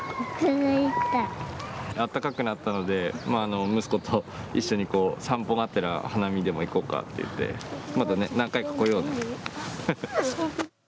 あったかくなったので息子と一緒に散歩がてら花見でも行こうかといってまたね、何回かこようね。